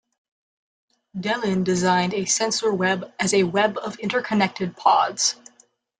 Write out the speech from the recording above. Delin designed a sensor web as a web of interconnected pods.